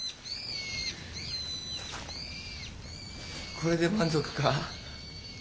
これで満足か？